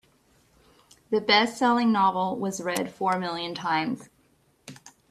The bestselling novel was read four million times.